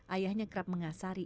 ayahnya kerap mengasari